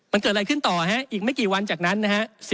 มันเกิดอะไรขึ้นต่อฮะอีกไม่กี่วันจากนั้นนะฮะ